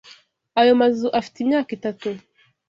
Ayo mazu afite imyaka itatu